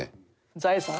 財産？